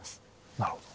なるほど。